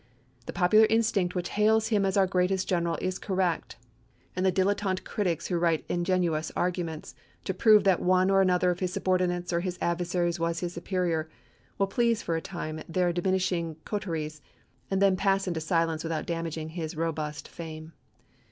The popular instinct which hails him as our greatest general is correct ; and the dilettante critics who write ingeni ous arguments to prove that one or another of his subordinates or his adversaries was his superior will please for a time their diminishing coteries, and then pass into silence without damaging his robust fame.